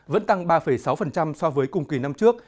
vẫn tăng ba sáu so với cùng kỳ năm trước